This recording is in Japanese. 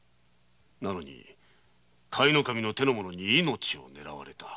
なのに板倉の手の者に命を狙われた。